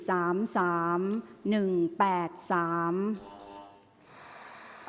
ออกรางวัลที่๖เลขที่๗